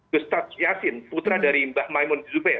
gus yassin putra dari mbah maimon zubair